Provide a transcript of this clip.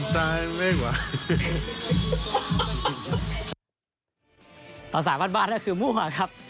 ต่อสารบ้านบ้านฮะคือมั่วครับ